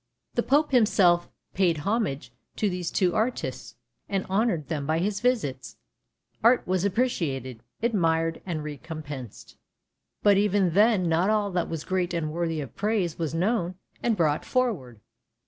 The Pope himself paid homage to these two artists, and honoured them by his visits. Art was appreciated, admired, and recompensed. But even then not all that was great and worthy of praise was known and brought forward.